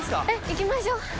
いきましょう。